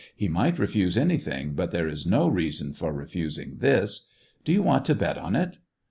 "He might refuse anything, but there is no reason for refusing this. Do you want to bet on it